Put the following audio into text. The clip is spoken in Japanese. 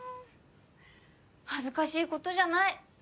恥ずかしいことじゃない。